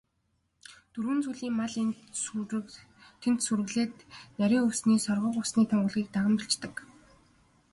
Дөрвөн зүйлийн мал энд тэнд сүрэглээд, нарийн өвсний соргог, усны тунгалгийг даган бэлчинэ.